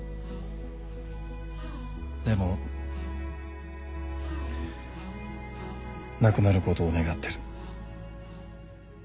でもなくなることを願ってる。